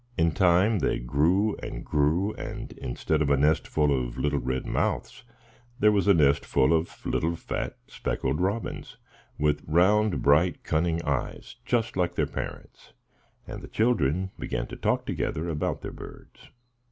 In time they grew and grew, and, instead of a nest full of little red mouths, there was a nest full of little, fat, speckled robins, with round, bright, cunning eyes, just like their parents; and the children began to talk together about their birds.